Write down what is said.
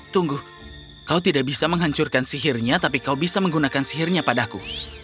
tunggu kau tidak bisa menghancurkan sihirnya tapi kau bisa menggunakan sihirnya padaku